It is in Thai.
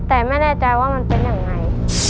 แต่ไม่แน่ใจว่ามันเป็นยังไง